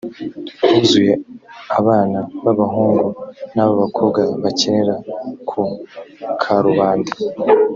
huzuye abana b abahungu n ab abakobwa bakinira ku karubanda